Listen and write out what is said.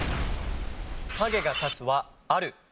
「影が立つ」はある。